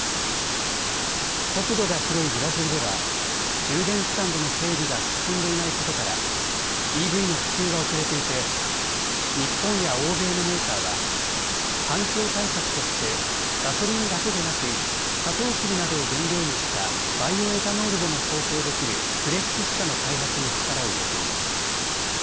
国土が広いブラジルでは充電スタンドの整備が進んでいないことからＥＶの普及が遅れていて日本や欧米のメーカーは環境対策としてガソリンだけでなくサトウキビなどを原料にしたバイオエタノールでも走行できるフレックス車の開発に力を入れています。